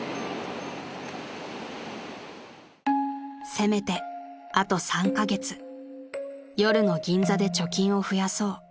［せめてあと３カ月夜の銀座で貯金を増やそう］